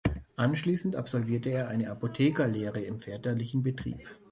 Anschließend absolvierte er eine Apothekerlehre im väterlichen Betrieb.